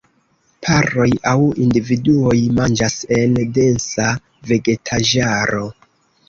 Paroj aŭ individuoj manĝas en densa vegetaĵaro.